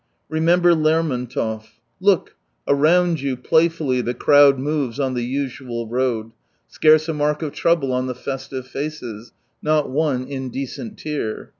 Remember Ler montov : 194 Look ! around you, playfully The crowd moves on the usual road. Scarce a mark of trouble on the festive faces, Not one indecent tear